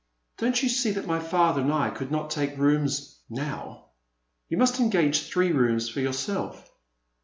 Don't you see that my father and I could not take rooms — now? You must engage three rooms for yourself.